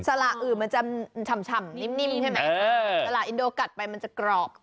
สละอื่นมันจะฉ่ำนิ่มใช่ไหมสละอินโดกัดไปมันจะกรอบ